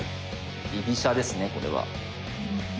居飛車ですねこれは。